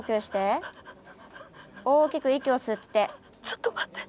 大きく息を吸って。